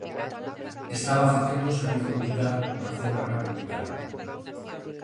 Estaba facendo o servizo militar na zona republicana.